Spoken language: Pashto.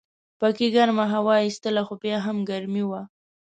پکې ګرمه هوا ایستله خو بیا هم ګرمي وه.